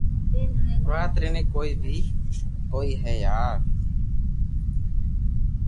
وات ري بي ڪوئي ھد ھوئي ھي وار